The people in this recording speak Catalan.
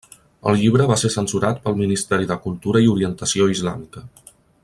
El llibre va ser censurat pel ministeri de Cultura i Orientació Islàmica.